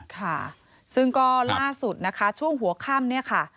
ค่ะซึ่งก็ล่าสุดนะคะช่วงหัวค่ำเนี่ยค่ะ